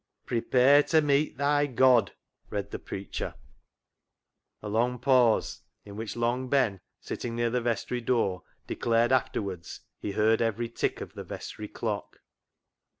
" Prepare to meet thy God," read the preacher. A long pause, in which Long Ben, sitting BILLY BOTCH 43 near the vestry door, declared afterwards he heard every tick of the vestry clock.